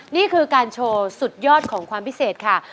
นี่คือการโชว์สุดยอดของความพิเศษค่ะ